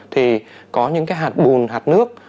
thì có những cái hạt bùn hạt nước